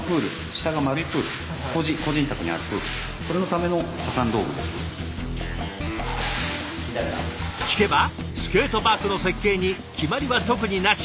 もともとは聞けばスケートパークの設計に決まりは特になし。